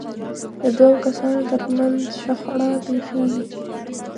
د دوو کسانو ترمنځ شخړه پېښېږي.